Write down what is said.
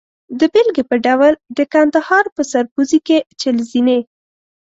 د بېلګې په ډول د کندهار په سرپوزي کې چهل زینې.